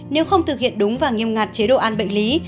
nếu không thực hiện đúng và nghiêm ngặt chế độ ăn bệnh lý